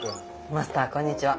マスターこんにちは。